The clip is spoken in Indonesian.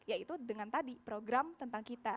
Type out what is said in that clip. yaitu dengan tadi program tentang kita